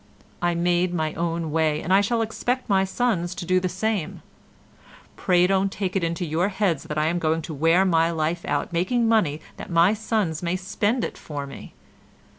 I made my own way and I shall expect my sons to do the same. Pray don't take it into your heads that I am going to wear my life out making money that my sons may spend it for me.